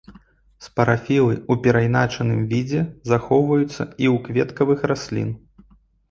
Спарафілы ў перайначаным відзе захоўваюцца і ў кветкавых раслін.